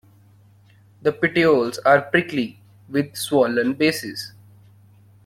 The petioles are prickly, with swollen bases.